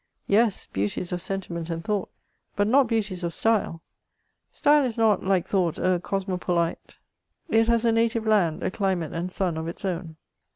Yes, beauties of sentiment and thought, but not beauties of style. Style is not, like thought, a cosmopolite : it has a native land, a chmate and sun of its own.